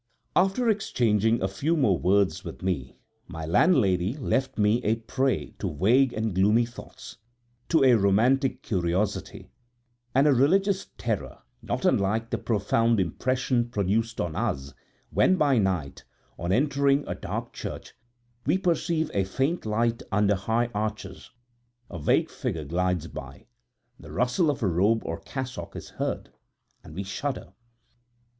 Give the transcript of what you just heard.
After exchanging a few more words with me, my landlady left me a prey to vague and gloomy thoughts, to a romantic curiosity, and a religious terror not unlike the profound impression produced on us when by night, on entering a dark church, we perceive a faint light under high arches; a vague figure glides by the rustle of a robe or cassock is heard, and we shudder.